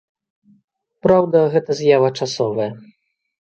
Праўда, гэта з'ява часовая.